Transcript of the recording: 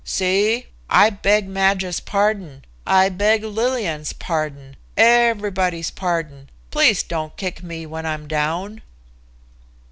"See. I beg Madge's pardon. I beg Lillian's pardon, everybody's pardon. Please don't kick me when I'm down."